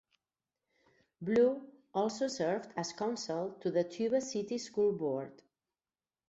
Blue also served as counsel to the Tuba City School Board.